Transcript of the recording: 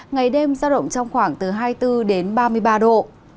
ngày đêm ra động trong khoảng từ hai mươi bốn ba mươi ba độ